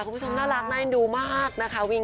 คุณผู้ชมน่ารักน่าเอ็นดูมากนะคะ